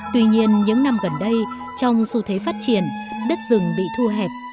tuy nhiên những năm gần đây trong xu thế phát triển đất rừng bị thu hẹp